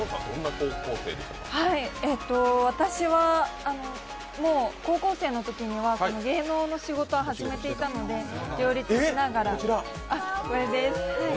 私は高校生のときには芸能の仕事を始めていたので両立しながら、これです。